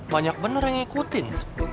banyak bener yang ngikutin